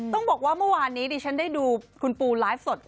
ต้องบอกว่าเมื่อวานนี้ดิฉันได้ดูคุณปูไลฟ์สด